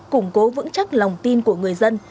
củng cố vững chắc lòng tin của người dân